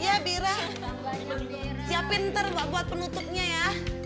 iya bira siapin ntar buat penutupnya ya